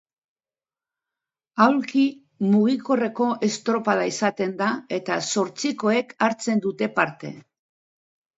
Aulki mugikorreko estropada izaten da eta zortzikoek hartzen dute parte.